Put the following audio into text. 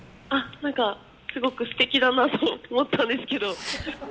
すごく素敵だなと思ったんですけど。